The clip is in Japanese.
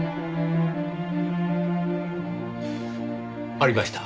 ありました。